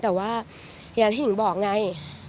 แต่ว่าอย่างที่หนูบอกไง